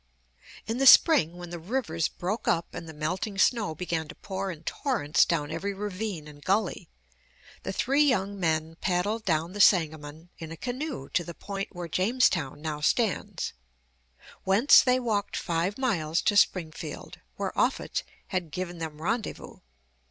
In the spring, when the rivers broke up and the melting snows began to pour in torrents down every ravine and gully, the three young men paddled down the Sangamon in a canoe to the point where Jamestown now stands; whence they walked five miles to Springfield, where Offutt had given them rendezvous.